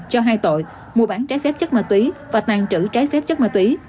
cho hai tội mua bán trái phép chất ma túy và tàn trữ trái phép chất ma túy